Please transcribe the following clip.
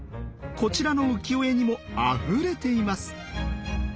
こちらの浮世絵にもあふれています。